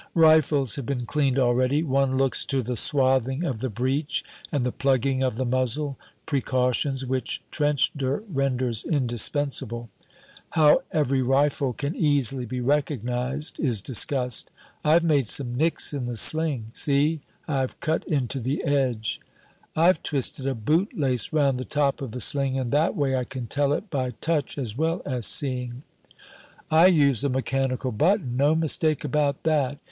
Rifles have been cleaned already. One looks to the swathing of the breech and the plugging of the muzzle, precautions which trench dirt renders indispensable. How every rifle can easily be recognized is discussed. "I've made some nicks in the sling. See, I've cut into the edge." "I've twisted a bootlace round the top of the sling, and that way, I can tell it by touch as well as seeing." "I use a mechanical button. No mistake about that.